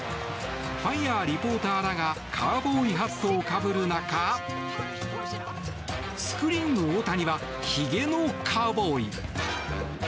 ファンやリポーターらがカウボーイハットをかぶる中スクリーンの大谷はひげのカウボーイ。